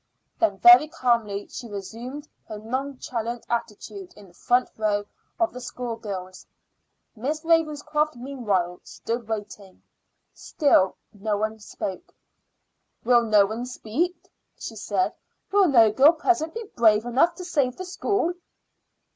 Then very calmly she resumed her nonchalant attitude in the front row of the schoolgirls. Miss Ravenscroft meanwhile stood waiting. Still no one spoke. "Will no one speak?" she said. "Will no girl present be brave enough to save the school?"